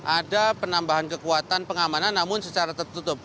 ada penambahan kekuatan pengamanan namun secara tertutup